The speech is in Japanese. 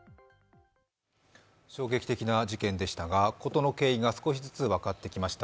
衝撃的な事件でしたが事の経緯が少しずつ分かってきました。